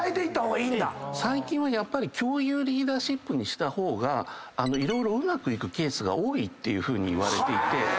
最近はやっぱり共有リーダーシップにした方が色々うまくいくケースが多いっていうふうにいわれていて。